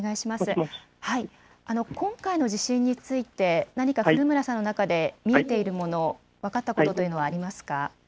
今回の地震について何か古村さんの中で見えているもの、分かったことというのはありますか。